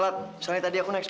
loh kim ayara mana sih